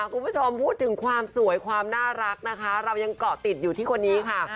คุณผู้ชมพูดถึงความสวยความน่ารักนะคะเรายังเกาะติดอยู่ที่คนนี้ค่ะ